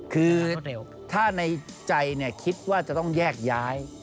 คือถ้าในใจคิดว่าจะต้องแยกย้าย